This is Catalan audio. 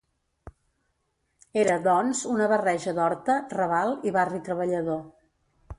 Era, doncs, una barreja d'horta, raval i barri treballador.